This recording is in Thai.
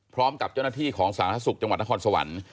พร้อมกับเจ้าหน้าที่ของสาธารณสุขจังหวัดนครสวรรค์